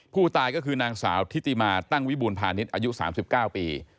ผู้ตายก็คือนางสาวทิติมาตั้งวิบูรพาณิชย์อายุ๓๙ปี